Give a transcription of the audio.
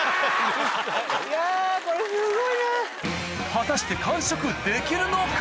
果たして完食できるのか？